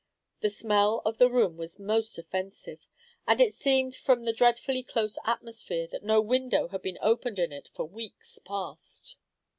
The smell of the room was most offensive, and it seemed from the dreadfully close atmosphere, that no window had been opened in it for weeks past.